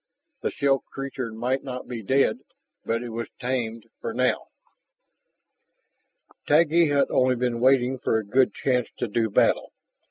The shell creature might not be dead, but it was tamed for now. Taggi had only been waiting for a good chance to do battle.